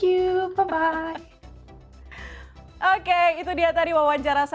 semoga berbahagia dan sehat